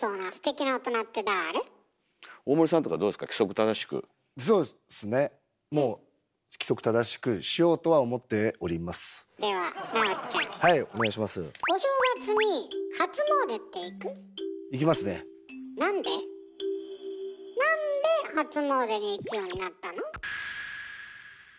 なんで初詣に行くようになったの？